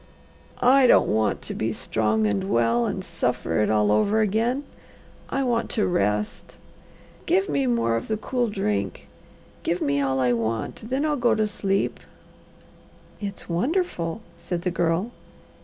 "I don't want to be strong and well and suffer it all over again. I want to rest. Give me more of the cool drink. Give me all I want, then I'll go to sleep." "It's wonderful," said the Girl.